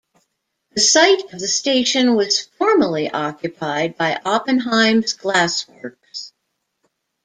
The site of the station was formerly occupied by Oppenheims Glassworks.